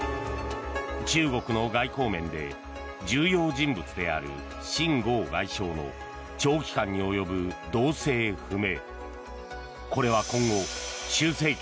中国の外交面で重要人物であるシン・ゴウ外相の長期間に及ぶ動静不明。